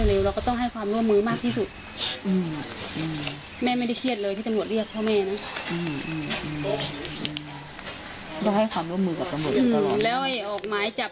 เพราะเราไม่ได้ทำ